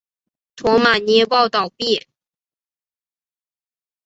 驼马捏报倒毙。